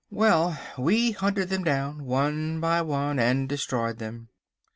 Well, we hunted them down one by one and destroyed them.